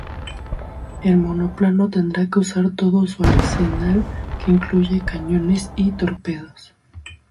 El monoplano tendrá que usar todo su arsenal que incluye cañones y torpedos.